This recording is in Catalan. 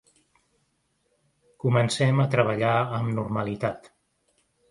Comencem a treballar amb normalitat.